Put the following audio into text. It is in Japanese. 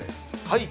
はい！